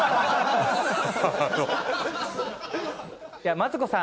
マツコさん